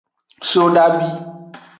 Sodabi.